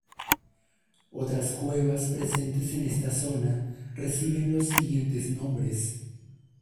Otras cuevas presentes en esta zona reciben los siguientes nombresː